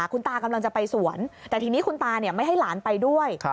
คุณตากำลังจะไปสวนแต่ทีนี้คุณตาไม่ให้หลานไปด้วย